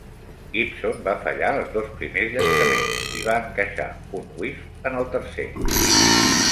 Gibson va fallar els dos primers llançaments i va encaixar un "whiff" en el tercer.